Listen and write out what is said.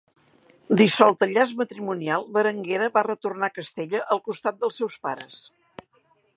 Dissolt el llaç matrimonial Berenguera va retornar a Castella al costat dels seus pares.